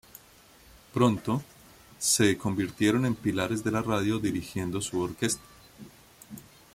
Pronto, se convirtieron en pilares de la radio dirigiendo su orquesta.